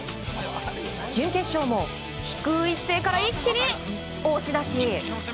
準決勝も低い姿勢から一気に押し出し。